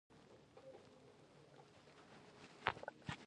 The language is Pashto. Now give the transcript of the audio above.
کتاب لوستل ذهن روښانه کوي